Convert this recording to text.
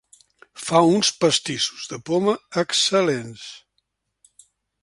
Fa uns pastissos de poma excel·lents.